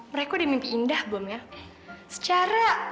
mereka udah mimpi indah belum ya